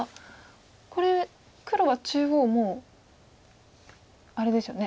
これ黒は中央もうあれですよね